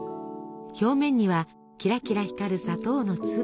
表面にはキラキラ光る砂糖の粒。